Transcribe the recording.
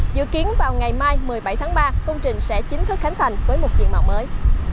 dự kiến vào ngày mai một mươi bảy tháng ba công trình sẽ chính thức khánh thành với một diện mạo mới